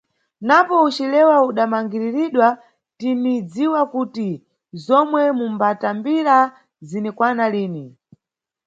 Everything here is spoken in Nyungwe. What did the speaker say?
Napo ucilewa udamangiridwa, tinidziwa kuti zomwe mumbatambira zinikwana lini.